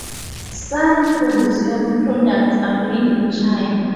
Some consumer products are made in China.